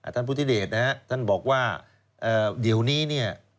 ท่านพุทธิเดชนะครับท่านบอกว่าเดี๋ยวนี้เนี่ย